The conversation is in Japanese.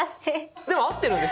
でも合ってるんですよ